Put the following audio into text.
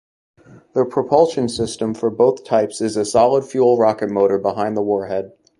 The propulsion system for both types is a solid-fuel rocket motor behind the warhead.